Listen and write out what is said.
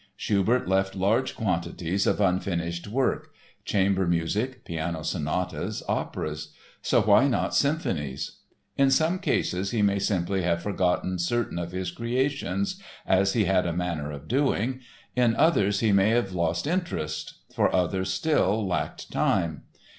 Schubert left large quantities of unfinished work—chamber music, piano sonatas, operas; so why not symphonies? In some cases he may simply have forgotten certain of his creations (as he had a manner of doing), in others he may have lost interest, for others, still, lacked time.